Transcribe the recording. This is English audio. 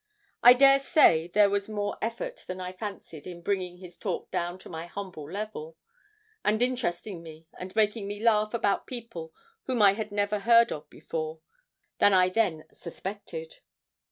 I dare say there was more effort than I fancied in bringing his talk down to my humble level, and interesting me and making me laugh about people whom I had never heard of before, than I then suspected.